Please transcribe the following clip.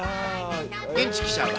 現地記者は。